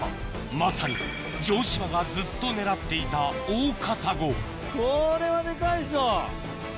まさに城島がずっと狙っていたオオカサゴこれはデカいでしょ！